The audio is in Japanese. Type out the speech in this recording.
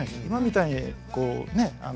今みたいにこうね